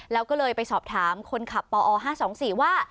แล้วก็เลยไปสอบถามคนขับปอ๕๒๔ว่า